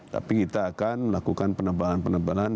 tapi kita akan melakukan penebalan penebalan